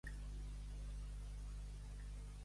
Boira al Montagut, no tinguis por d'eixut.